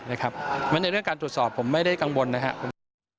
เมื่อในเรื่องการตรวจสอบผมไม่ได้กังวลนะครับ